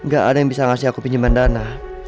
gak ada yang bisa ngasih aku pinjaman dana